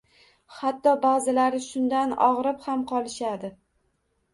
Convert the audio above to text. Hatto baʼzilari shundan ogʻrib ham qolishadi